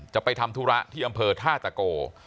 จะไปทำธุระที่อำเภอท่าตะโก